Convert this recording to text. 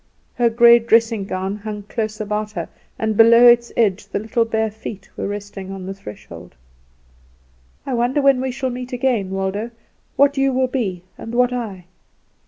Her grey dressing gown hung close about her, and below its edge the little bare feet were resting on the threshold. "I wonder when we shall meet again, Waldo? What you will be, and what I?"